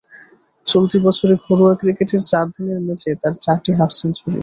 চলতি বছরে ঘরোয়া ক্রিকেটের চার দিনের ম্যাচে তাঁর চারটি হাফ সেঞ্চুরি।